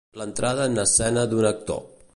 L'entrada en escena d'un actor.